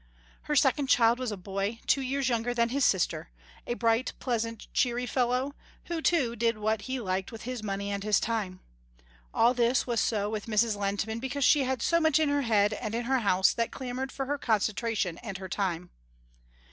Her second child was a boy, two years younger than his sister, a bright, pleasant, cheery fellow, who too, did what he liked with his money and his time. All this was so with Mrs. Lehntman because she had so much in her head and in her house that clamoured for her concentration and her time.